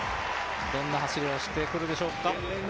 どんな走りをしてくるでしょうか。